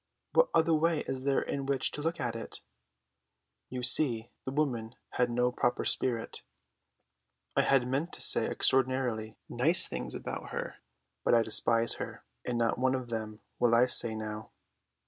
"What other way is there in which to look at it?" You see, the woman had no proper spirit. I had meant to say extraordinarily nice things about her; but I despise her, and not one of them will I say now.